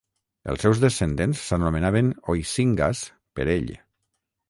Els seus descendents s'anomenaven "Oiscingas" per ell.